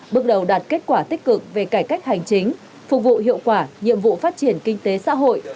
bước đầu đạt kết quả tích cực về cải cách hành chính phục vụ hiệu quả nhiệm vụ phát triển kinh tế xã hội